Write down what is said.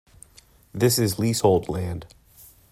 This is leasehold land.